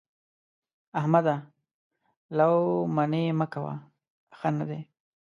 احمده! لو منې مه کوه؛ ښه نه ده.